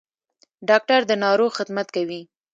ډاکټر د ناروغ خدمت کوي